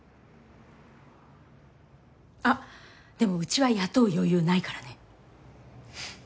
あっでもうちは雇う余裕ないからね。